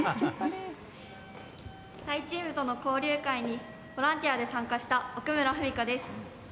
タイチームとの交流会にボランティアで参加した奥村史華です。